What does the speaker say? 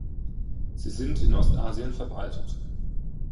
Sie sind in Ostasien verbreitet.